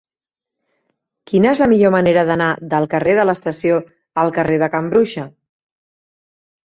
Quina és la millor manera d'anar del carrer de l'Estació al carrer de Can Bruixa?